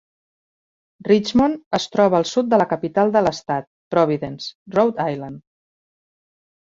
Richmond es troba al sud de la capital de l'estat, Providence, Rhode Island.